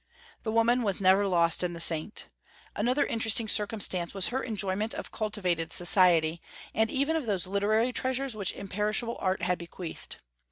The woman was never lost in the saint. Another interesting circumstance was her enjoyment of cultivated society, and even of those literary treasures which imperishable art had bequeathed.